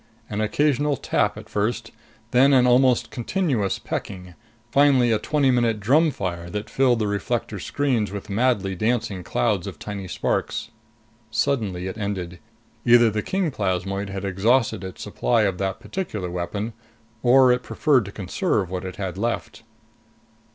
An occasional tap at first, then an almost continuous pecking, finally a twenty minute drumfire that filled the reflector screens with madly dancing clouds of tiny sparks. Suddenly it ended. Either the king plasmoid had exhausted its supply of that particular weapon or it preferred to conserve what it had left.